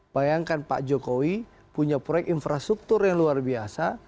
bayangkan pak jokowi punya proyek infrastruktur yang luar biasa